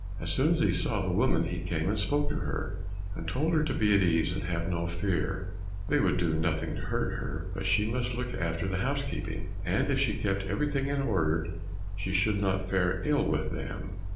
As soon as he saw the woman he came and spoke to her, and told her to be at ease and have no fear, they would do nothing to hurt her, but she must look after the house keeping, and if she kept everything in order, she should not fare ill with them.